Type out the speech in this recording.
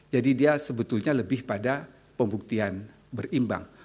jadi dia sebetulnya lebih pada pembuktian berimbang